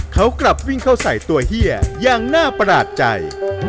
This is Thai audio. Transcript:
เขากลับวิ่งเข้าใส่ตัวเฮียอย่างน่าประหลาดใจ